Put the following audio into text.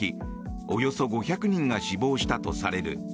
およそ５００人が死亡したとされる。